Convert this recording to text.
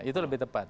itu lebih tepat